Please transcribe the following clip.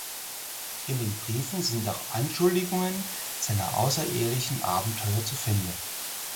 In den Briefen sind auch Anschuldigungen seiner außerehelichen Abenteuer zu finden.